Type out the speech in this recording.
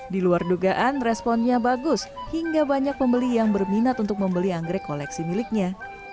di luar dugaan responnya bagus hingga banyak pembeli yang berminat untuk membeli anggrek koleksi miliknya